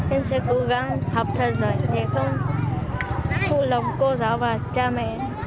em sẽ cố gắng học thật giỏi để không phụ lòng cô giáo và cha mẹ